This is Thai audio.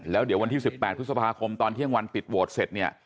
แล้วเดี๋ยววันที่๑๘พฤษภาคมตอนเที่ยงวันปิดโหวตเสร็จเนี่ย